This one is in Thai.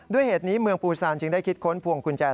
เหตุนี้เมืองปูซานจึงได้คิดค้นพวงกุญแจ